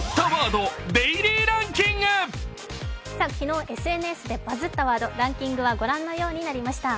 昨日、ＳＮＳでバズったワード、ランキングはご覧のようになりました。